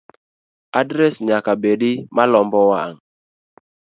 Adres nyaka bedi malombo wang